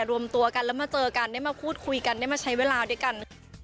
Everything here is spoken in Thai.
รวมตัวกันแล้วมาเจอกันได้มาพูดคุยกันได้มาใช้เวลาด้วยกัน